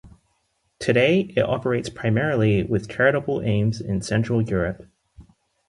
Today it operates primarily with charitable aims in Central Europe.